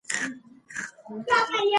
ایا تاسي د خپلې سیمې په فولکلور پوهېږئ؟